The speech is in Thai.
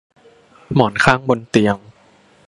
หมอนข้างบนเตียง